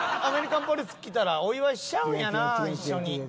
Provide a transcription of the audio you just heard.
アメリカンポリス来たらお祝いしちゃうんやな一緒に。